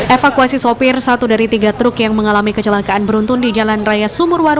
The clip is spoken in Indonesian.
evakuasi sopir satu dari tiga truk yang mengalami kecelakaan beruntun di jalan raya sumurwaru